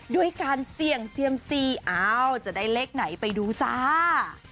ด้วยการเสี่ยงเซียมซีอ้าวจะได้เลขไหนไปดูจ้า